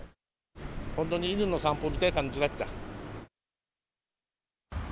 本当に犬の散歩みたいな感じだった。